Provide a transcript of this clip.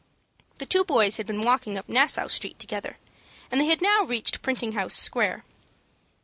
The two boys had been walking up Nassau Street together, and they had now reached Printing House Square.